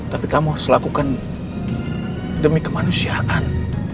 tapi kamu harus lakukan demi kemanusiaan